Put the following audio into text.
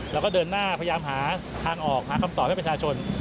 แล้วก็เดินหน้าพยายามหาทางออกหาคำตอบให้ประชาชน